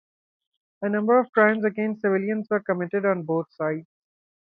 A number of crimes against civilians were committed on both sides.